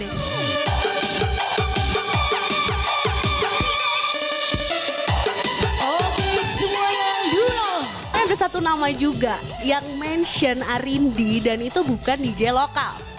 ada satu nama juga yang mention arindi dan itu bukan dj lokal